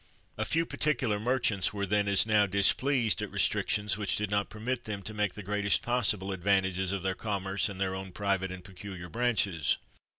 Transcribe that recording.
A few particular merchants were then, as now, displeased at restrictions which did not permit them to make the greatest possible advantages of their commerce in their own private and peculiar branches.